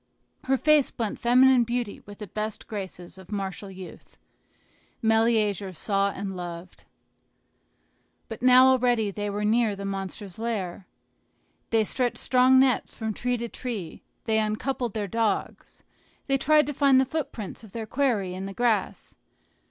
Her face blent feminine beauty with the best graces of martial youth. Meleager saw and loved. But now already they were near the monster's lair. They stretched strong nets from tree to tree; they uncoupled their dogs, they tried to find the footprints of their quarry in the grass.